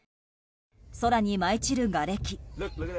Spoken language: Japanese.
空に舞い散るがれき。